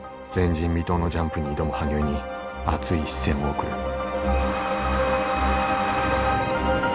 前人未到のジャンプに挑む羽生に熱い視線を送る。